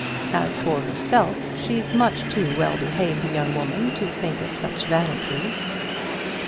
As for herself, she's much too well behaved a young woman to think of such vanities."